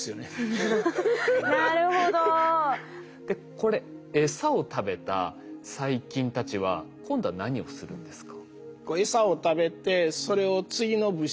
これエサを食べた細菌たちは今度は何をするんですか？